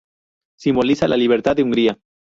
Simboliza la libertad de Hungría.